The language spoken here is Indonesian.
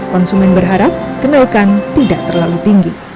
konsumen berharap kenaikan tidak terlalu tinggi